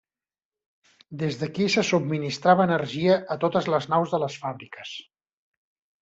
Des d'aquí se subministrava energia a totes les naus de les fàbriques.